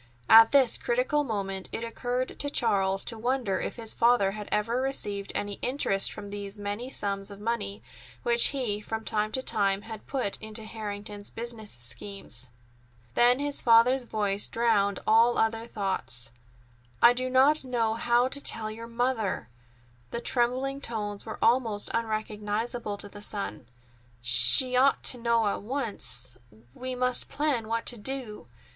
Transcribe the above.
At this critical moment it occurred to Charles to wonder if his father had ever received any interest from these many sums of money which he from time to time had put into Harrington's business schemes. Then his father's voice drowned all other thoughts: "I do not know how to tell your poor mother!" The trembling tones were almost unrecognizable to the son. "She ought to know at once. We must plan what to do.